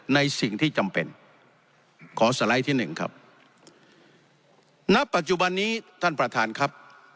ในสิ่งที่จำเป็นขอสไลด์ที่หนึ่งครับณปัจจุบันนี้ท่านประธานครับ